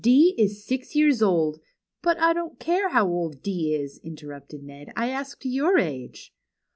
D is six years old "—" But I don't care how old D is," interrupted Ned. " I asked your age."